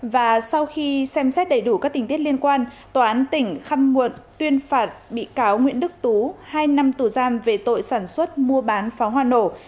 và sau khi xem xét đầy đủ các tình tiết liên quan tòa án tỉnh khăm muộn tuyên phạt bị cáo nguyễn đức tú hai năm tù giam về tội sản xuất mua bán pháo hoa nổ